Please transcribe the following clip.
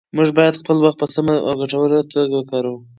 موږ باید خپل وخت په سمه او ګټوره توګه وکاروو